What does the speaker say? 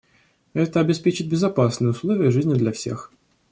Это обеспечит безопасные условия жизни для всех.